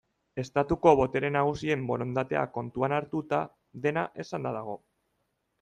Estatuko botere nagusien borondatea kontuan hartuta, dena esanda dago.